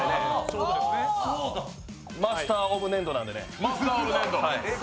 マスター・オブ・粘土なんでね。